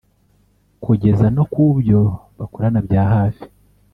kugeza no kubyo bakorana byahafi